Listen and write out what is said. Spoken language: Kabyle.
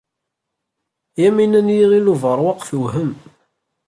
Yamina n Yiɣil Ubeṛwaq tewhem.